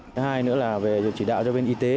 thứ hai nữa là về dự trị đạo cho bên y tế